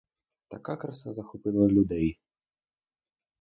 Така краса захопила людей.